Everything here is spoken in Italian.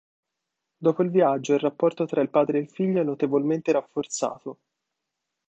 Dopo il viaggio il rapporto tra il padre e il figlio è notevolmente rafforzato.